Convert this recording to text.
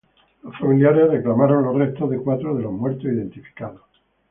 Los familiares reclamaron los restos de cuatro de los muertos identificados.